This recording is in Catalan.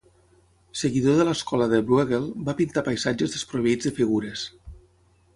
Seguidor de l'escola de Brueghel, va pintar paisatges desproveïts de figures.